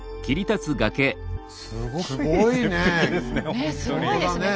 すごいね！